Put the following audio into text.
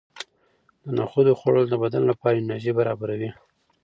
د نخودو خوړل د بدن لپاره انرژي برابروي.